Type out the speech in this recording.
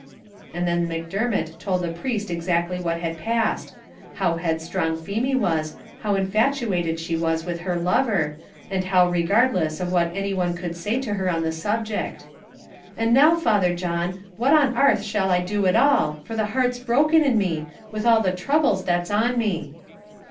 And then Macdermot told the priest exactly what had passed; how headstrong Feemy was, how infatuated she was with her lover, and how regardless of what any one could say to her on the subject; "and now, Father John, what on 'arth shall I do at all, for the heart's broken in me, with all the throubles that's on me."